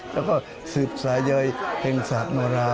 แล้วก็สืบสายยยแห่งศาลโนรา